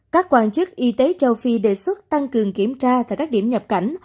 các quan chức y tế châu phi đề xuất tăng cường kiểm tra tại các điểm nhập cảnh